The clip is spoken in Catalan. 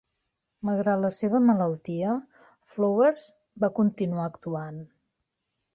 Malgrat la seva malaltia, Flowers va continuar actuant.